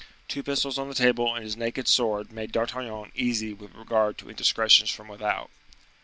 Two pistols on the table and his naked sword made D'Artagnan easy with regard to indiscretions from without.